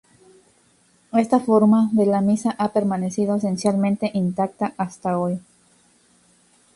Esta forma de la misa ha permanecido esencialmente intacta hasta hoy.